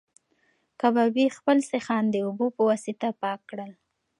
کبابي خپل سیخان د اوبو په واسطه پاک کړل.